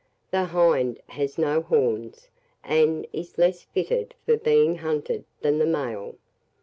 The HIND has no horns, and is less fitted for being hunted than the male.